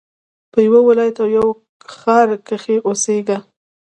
په يوه ولايت او يوه ښار کښي اوسېږه!